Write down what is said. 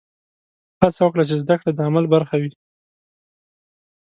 هڅه وکړه چې زده کړه د عمل برخه وي.